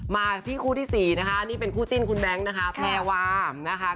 มาที่คู่ที่๔นะคะนี่เป็นคู่จิ้นคุณแบงค์นะคะแพรวามนะคะ